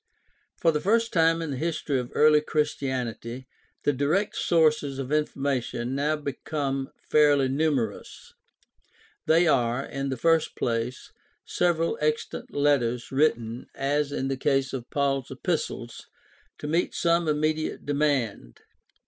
— For the first time in the history of early Christianity the direct sources of information now become fairly numerous. They are, in the first place, several extant letters written, as in the case of Paul's epistles, to meet some immediate demand.